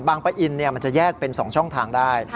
ปะอินมันจะแยกเป็น๒ช่องทางได้